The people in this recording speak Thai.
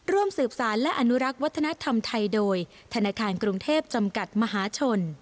ร่วมสืบสารและอนุรักษ์วัฒนธรรมไทยโดยธนาคารกรุงเทพจำกัดมหาชน